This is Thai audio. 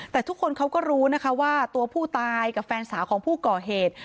แต่ทุกคนเขาก็รู้นะคะว่าตัวผู้ตายกับแฟนสาวของผู้ก่อเหตุ